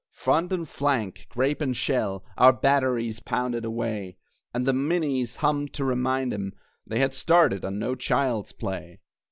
Front and flank, grape and shell, Our batteries pounded away! And the minies hummed to remind 'em They had started on no child's play!